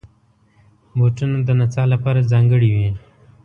بوټونه د نڅا لپاره ځانګړي وي.